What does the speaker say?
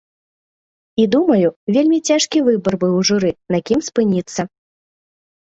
І думаю, вельмі цяжкі выбар быў у журы, на кім спыніцца.